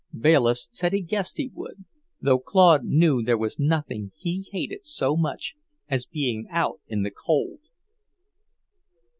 Bayliss said he guessed he would, though Claude knew there was nothing he hated so much as being out in the cold.